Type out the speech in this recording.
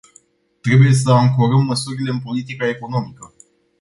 Trebuie să ancorăm măsurile în politica economică.